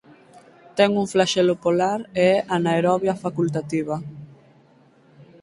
Ten un flaxelo polar e é anaerobia facultativa.